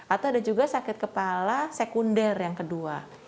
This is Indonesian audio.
atau ada juga sakit kepala sekunder yang kedua